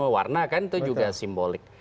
warna kan itu juga simbolik